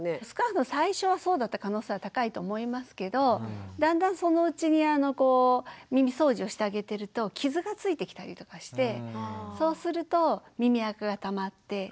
少なくとも最初はそうだった可能性は高いと思いますけどだんだんそのうちに耳そうじをしてあげてると傷がついてきたりとかしてそうすると耳あかがたまって。